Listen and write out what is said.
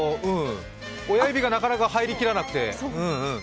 親指がなかなか入りきらなくて。